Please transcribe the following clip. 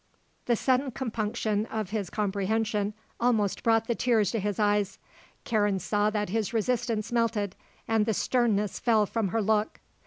The sudden compunction of his comprehension almost brought the tears to his eyes. Karen saw that his resistance melted and the sternness fell from her look.